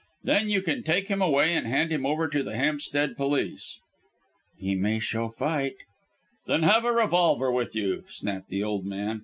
Then you can take him away and hand him over to the Hampstead police." "He may show fight." "Then have a revolver with you," snapped the old man.